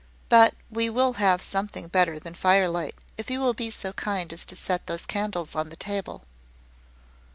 But we will have something better than firelight, if you will be so kind as to set those candles on the table."